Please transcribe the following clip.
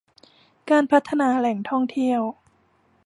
การพัฒนาแหล่งท่องเที่ยว